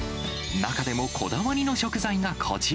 中でもこだわりの食材がこちら。